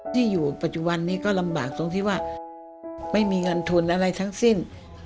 ที่อยู่ปัจจุบันนี้ก็ลำบากตรงที่ว่าไม่มีเงินทุนอะไรทั้งสิ้น